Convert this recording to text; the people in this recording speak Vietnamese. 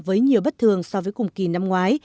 với nhiều bất thường so với cùng kỳ năm ngoái